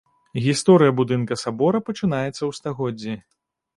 Гісторыя будынка сабора пачынаецца ў стагоддзі.